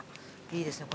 いいですね